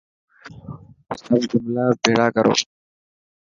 سب جملا ڀيٿڙا ڪرو.